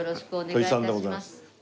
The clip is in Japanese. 土肥さんでございます。